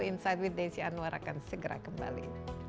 insight with desi anwar akan segera kembali